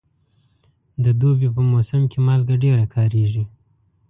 د دوبي په موسم کې مالګه ډېره کارېږي.